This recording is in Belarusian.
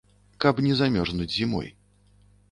Каб не замёрзнуць зімой.